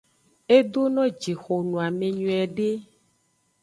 Edono jixo noame nyuiede.